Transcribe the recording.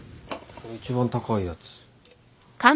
一番高いやつ。